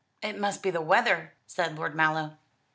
"It must be the weather," said Lord Mallow.